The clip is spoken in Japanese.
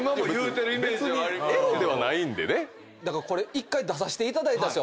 １回出させていただいたんです。